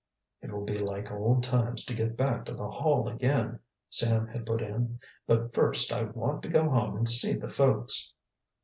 "It will be like old times to get back to the Hall again," Sam had put in. "But first, I want to go home and see the folks."